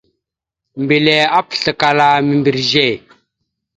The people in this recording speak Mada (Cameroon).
Mbelle apəslakala membreze.